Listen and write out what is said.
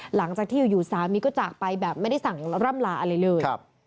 หลังจากที่อยู่สามีก็จากไปแบบไม่ได้สั่งร่ำลาอะไรเลย